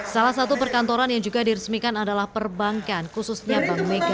salah satu perkantoran yang juga diresmikan adalah perbankan khususnya bank mega